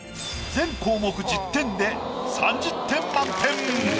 全項目１０点で３０点満点。